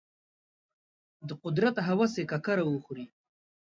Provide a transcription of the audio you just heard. د قدرت هوس یې ککره وخوري.